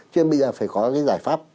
cho nên bây giờ phải có cái giải pháp